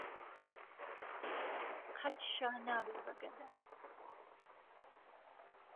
قەت شا نابێ بە گهدا